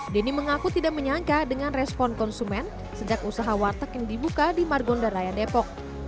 denny mengaku tidak menyangka dengan respon konsumen sejak usaha warteg yang dibuka di margonda raya depok